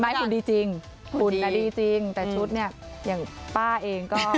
ให้คุณดีจริงคุณดีจริงแต่ชุดเนี่ยอย่างป้าเองก็